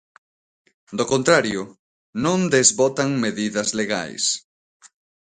Do contrario, non desbotan medidas legais.